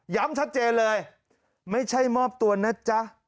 ชัดเจนเลยไม่ใช่มอบตัวนะจ๊ะ